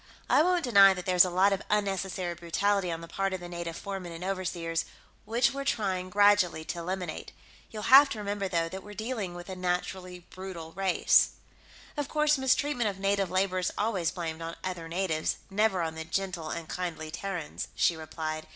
I won't deny that there's a lot of unnecessary brutality on the part of the native foremen and overseers, which we're trying, gradually, to eliminate. You'll have to remember, though, that we're dealing with a naturally brutal race." "Of course, mistreatment of native labor is always blamed on other natives, never on the gentle and kindly Terrans," she replied.